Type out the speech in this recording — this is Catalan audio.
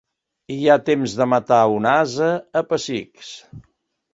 Hi ha temps de matar un ase a pessics.